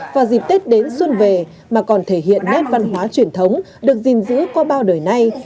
và dịp tết đến xuân về mà còn thể hiện nét văn hóa truyền thống được gìn giữ qua bao đời nay